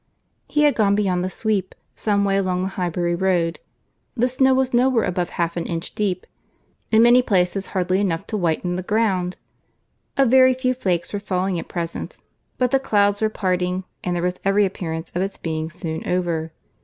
He had gone beyond the sweep—some way along the Highbury road—the snow was nowhere above half an inch deep—in many places hardly enough to whiten the ground; a very few flakes were falling at present, but the clouds were parting, and there was every appearance of its being soon over.